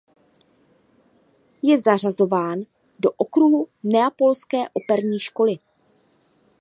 Je zařazován do okruhu neapolské operní školy.